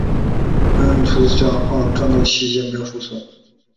斯图加特号于战斗期间没有受损。